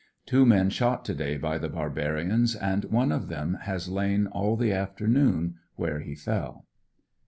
Two men shot to day by the barbarians, and one of them has lain all the afternoon where he fell.